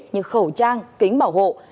như khẩu trang kính bảo hộ